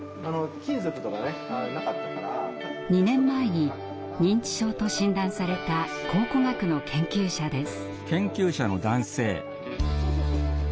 ２年前に認知症と診断された考古学の研究者です。